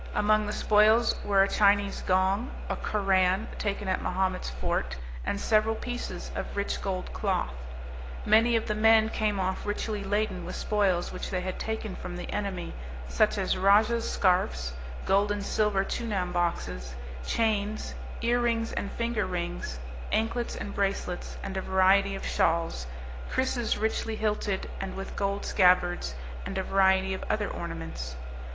Among the spoils were a Chinese gong, a Koran, taken at Mahomet's fort, and several pieces of rich gold cloth. Many of the men came off richly laden with spoils which they had taken from the enemy, such as rajah's scarfs, gold and silver chunam boxes, chains, ear rings and finger rings, anklets and bracelets, and a variety of shawls, krisses richly hilted and with gold scabbards, and a variety of other ornaments.